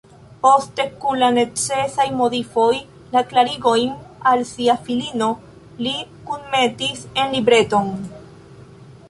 Poste, kun la necesaj modifoj, la klarigojn al sia filino li kunmetis en libreton.